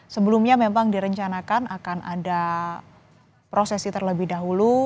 sebelumnya memang direncanakan akan ada prosesi terlebih dahulu